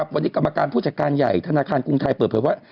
วันนี้กรรมการผู้จัดการใหญ่ธนาคารกรุงไทยเปิดเผยว่า